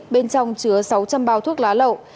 bên trong chứa sáu trăm linh bao thuốc lá lậu